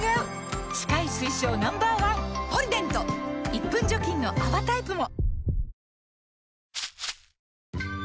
１分除菌の泡タイプも！